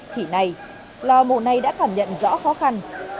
thì nay lò mổ này đã cảm nhận rõ khó khăn